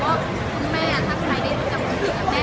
ช่องความหล่อของพี่ต้องการอันนี้นะครับ